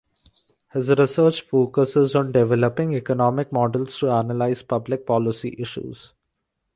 His research focuses on developing economic models to analyze public policy issues.